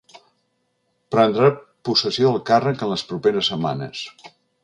Prendrà possessió del càrrec en les properes setmanes.